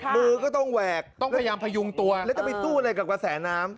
มือก็ต้องแหวกต้องพยายามพยุงตัวแล้วจะไปสู้อะไรกับกระแสน้ำ